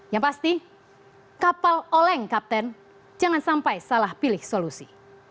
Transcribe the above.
yang pasti kapal oleng kapten jangan sampai salah pilih solusi